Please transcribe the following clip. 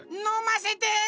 のませて！